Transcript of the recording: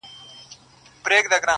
چي شعر له نثر څخه بېلوي -